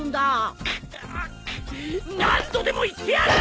くっ何度でも言ってやる！